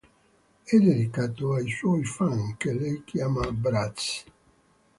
È dedicato ai suoi fan, che lei chiama "bratz".